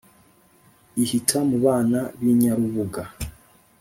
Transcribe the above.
ihita mu bana b’inyarubuga